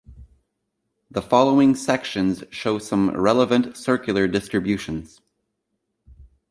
The following sections show some relevant circular distributions.